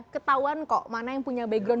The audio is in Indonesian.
ketahuan kok mana yang punya background